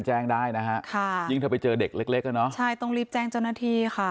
ใช่ตรงรีบแจ้งเจ้าหน้าที่ค่ะ